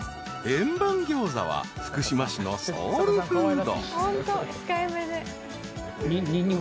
［円盤餃子は福島市のソウルフード］